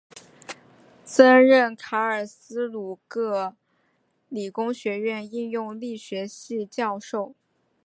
曾任卡尔斯鲁厄理工学院应用力学系教授。